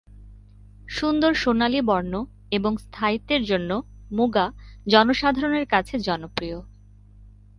সুন্দর সোনালী বর্ণ এবং স্থায়িত্বের জন্যে মুগা জনসাধারণের কাছে জনপ্ৰিয়।